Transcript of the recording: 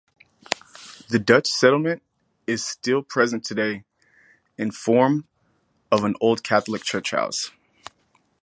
This Dutch settlement is still present today in form of an Old Catholic churchhouse.